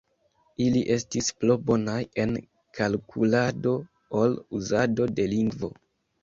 Ili estis pli bonaj en kalkulado ol uzado de lingvo.